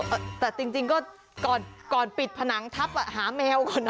เออแต่จริงก็ก่อนปิดผนังทัพหาแมวก่อนเนอะ